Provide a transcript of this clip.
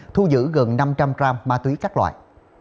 thu giữ gần năm trăm linh gram ma túy các loại